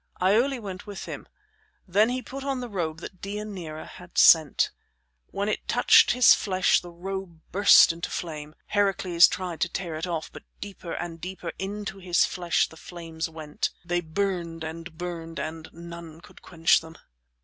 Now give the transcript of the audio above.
Iole went with him. Then he put on the robe that Deianira had sent. When it touched his flesh the robe burst into flame. Heracles tried to tear it off, but deeper and deeper into his flesh the flames went. They burned and burned and none could quench them.